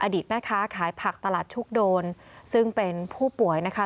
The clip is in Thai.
แม่ค้าขายผักตลาดชุกโดนซึ่งเป็นผู้ป่วยนะคะ